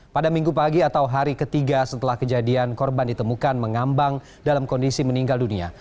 pada minggu pagi atau hari ketiga setelah kejadian korban ditemukan mengambang dalam kondisi meninggal dunia